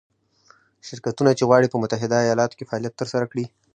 شرکتونه چې غواړي په متحده ایالتونو کې فعالیت ترسره کړي.